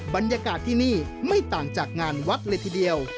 บรรยากาศที่นี่ไม่ต่างจากงานวัดเลยทีเดียว